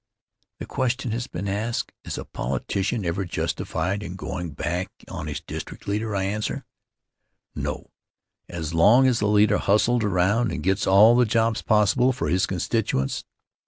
The question has been asked: Is a politician ever justified in going' back on his district leader? I answer: "No; as long as the leader hustles around and gets all the jobs possible for his constituents."